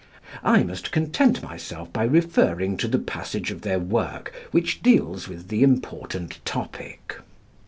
I must content myself by referring to the passage of their work which deals with the important topic.